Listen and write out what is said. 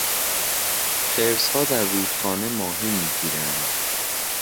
خرسها در رودخانه ماهی میگیرند.